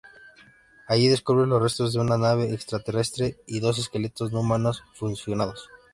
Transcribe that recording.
Allí descubre los restos de una nave extraterrestre, y dos esqueletos no humanos fusionados.